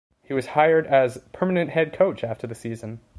He was hired as permanent head coach after the season.